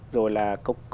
rồi là công nghệ nào